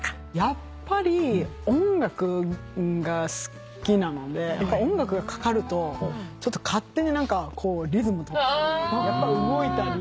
やっぱり音楽が好きなので音楽がかかると勝手にリズムとったり動いたり。